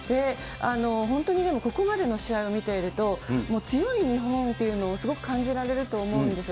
本当に、でも、ここまでの試合を見ていると、強い日本というのをすごく感じられると思うんですよ。